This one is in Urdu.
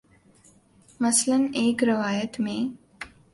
مثلا ایک روایت میں